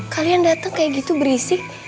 kalian datang kayak gitu berisi